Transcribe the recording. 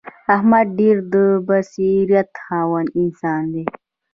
احمد ډېر د بصیرت خاوند انسان دی.